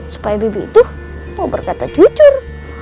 supaya bibi itu mau berkata jujur